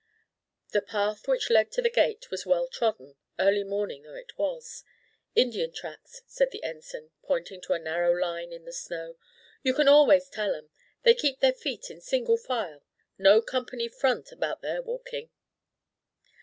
The path which led to the gate was well trodden, early morning though it was. "Indian tracks," said the Ensign, pointing to a narrow line on the snow; "you can always tell 'em. They keep their feet in single file no company front about their walking."